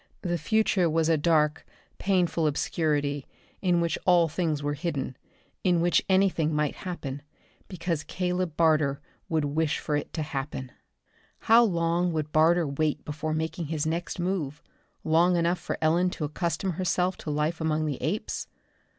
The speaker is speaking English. The future was a dark, painful obscurity, in which all things were hidden, in which anything might happen because Caleb Barter would wish for it to happen. How long would Barter wait before making his next move? Long enough for Ellen to accustom herself to life among the apes?